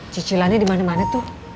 cicilannya dimana mana tuh